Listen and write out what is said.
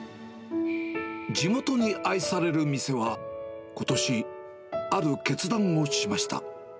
地元に愛される店は、ことし、ある決断をしました。